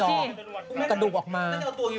มันกระดูกออกมา